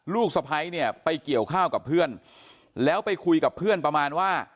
สะพ้ายเนี่ยไปเกี่ยวข้าวกับเพื่อนแล้วไปคุยกับเพื่อนประมาณว่า